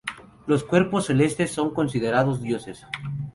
Los cuerpos celestes son considerados dioses.